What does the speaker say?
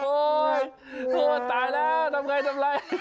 โอ้ตายแล้วทำไงทำไร